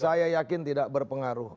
saya yakin tidak berpengaruh